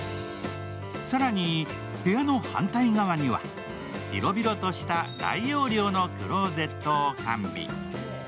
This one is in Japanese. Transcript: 更に、部屋の反対側には、広々とした大容量のクローゼットを完備。